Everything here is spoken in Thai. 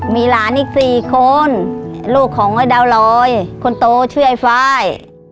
มีหลานอีก๔คนลูกของไอ้ดาวลอยคนโตชื่อไอ้ไฟล์